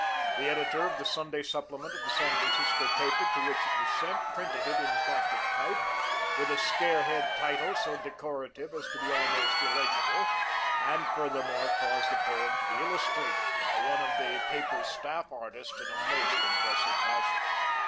The editor of the Sunday supplement of the San Francisco paper to which it was sent, printed it in Gothic type, with a scare head title so decorative as to be almost illegible, and furthermore caused the poem to be illustrated by one of the paper's staff artists in a most impressive fashion.